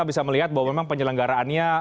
bisa melihat bahwa memang penyelenggaraannya